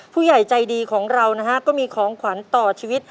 ผู้ใหญ่ใจดีของเรานะฮะก็มีของขวัญต่อชีวิต